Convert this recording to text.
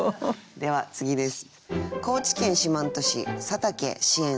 では次です。